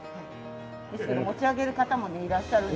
ですけど持ち上げる方もねいらっしゃるんですよ。